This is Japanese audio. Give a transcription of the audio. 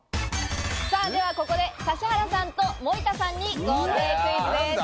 ではここで指原さんと森田さんに豪邸クイズです。